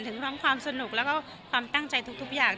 ทั้งความสนุกและความตั้งใจทุกอย่าง